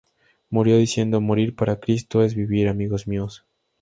Murió diciendo "Morir para Cristo es vivir, amigos míos".